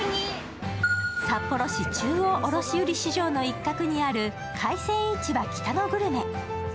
札幌市中央卸売市場の一角にある海鮮市場北のグルメ。